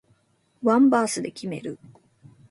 ワンバースで決める